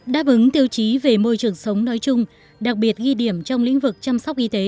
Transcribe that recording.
đáp ứng tiêu chí về môi trường sống nói chung đặc biệt ghi điểm trong lĩnh vực chăm sóc y tế